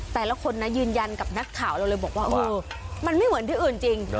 แต่ละคนนะยืนยันกับนักข่าวเราเลยบอกว่าเออมันไม่เหมือนที่อื่นจริง